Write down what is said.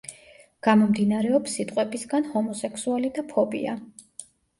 გამომდინარეობს სიტყვებისგან ჰომოსექსუალი და ფობია.